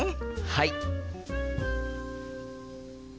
はい！